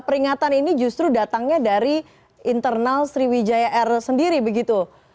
peringatan ini justru datangnya dari internal sriwijaya air sendiri begitu